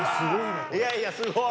いやいや、すごい！